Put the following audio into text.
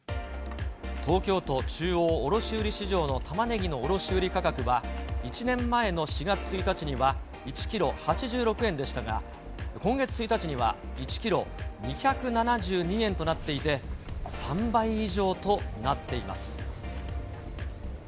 東京都中央卸売市場のタマネギの卸売り価格は、１年前の４月１日には１キロ８６円でしたが、今月１日には、１キロ２７２円となっていて、３倍以上となっています。